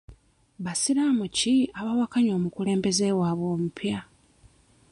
Basiraamu ki abawakanya omukulembeze waabwe omupya?